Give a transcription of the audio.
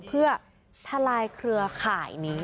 เพื่อทลายเครือข่ายนี้